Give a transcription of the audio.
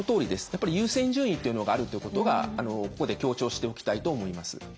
やっぱり優先順位というのがあるっていうことがここで強調しておきたいと思います。